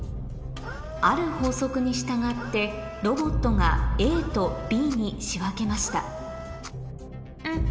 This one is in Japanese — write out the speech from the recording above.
ある法則に従ってロボットがＡとＢに仕分けましたん？